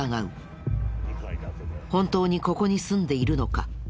本当にここに住んでいるのか？